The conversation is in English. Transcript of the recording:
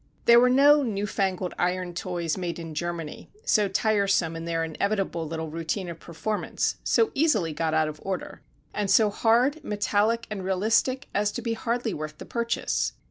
There were no new fangled iron toys "made in Germany," so tiresome in their inevitable little routine of performance, so easily got out of order, and so hard, metallic and realistic as to be hardly worth the purchase.